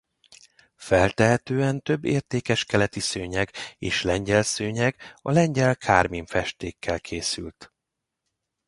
Feltehetően több értékes Keleti szőnyeg és Lengyel szőnyeg a lengyel kármin festékkel készült.